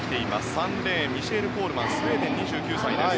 ３レーンミシェール・コールマンスウェーデン、２９歳です。